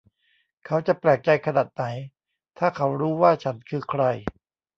เขาจะแปลกใจขนาดไหนถ้าเขารู้ว่าฉันคือใคร